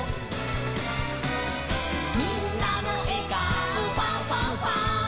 「みんなのえがおファンファンファン！」